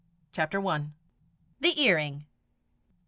CHAPTER I. THE EARRING.